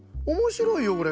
おもしろいよ